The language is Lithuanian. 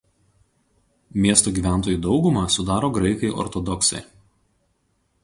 Miesto gyventojų daugumą sudaro graikai ortodoksai.